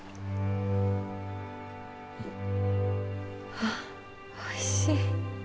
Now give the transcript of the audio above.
はあおいしい。